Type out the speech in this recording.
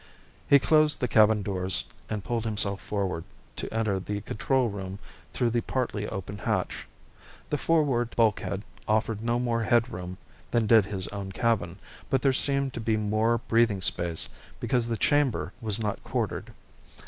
He closed the cabin doors and pulled himself forward to enter the control room through the partly open hatch. The forward bulkhead offered no more head room than did his own cabin, but there seemed to be more breathing space because this chamber was not quartered.